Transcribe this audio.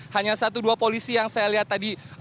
hanya satu dua polisi yang saya lihat tadi